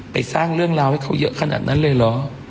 สร้างเรื่องราวให้เขาเยอะขนาดนั้นเลยเหรอ